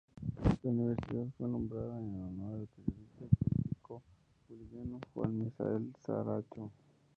La universidad fue nombrada en honor al periodista y político boliviano Juan Misael Saracho.